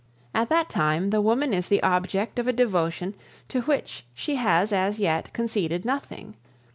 At that time the woman is the object of a devotion to which she has as yet conceded nothing.